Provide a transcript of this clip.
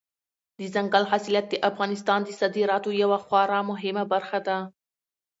دځنګل حاصلات د افغانستان د صادراتو یوه خورا مهمه برخه ده.